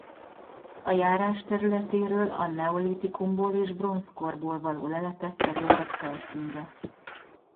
A járás területéről a neolitikumból és bronzkorból való leletek kerültek felszínre.